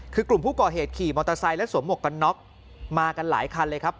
คือกลุ่มผู้ก่อเหตุขี่มอเตอร์ไซค์และสวมหมวกกันน็อกมากันหลายคันเลยครับ